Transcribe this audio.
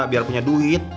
biar punya duit